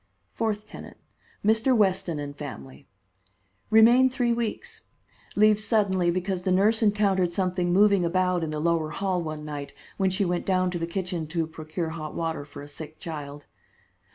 Fourth tenant: Mr. Weston and family. Remain three weeks. Leaves suddenly because the nurse encountered something moving about in the lower hall one night when she went down to the kitchen to procure hot water for a sick child.